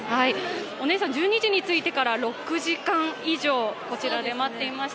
お姉さん、１２時に着いてから６時間以上こちらで待っていました。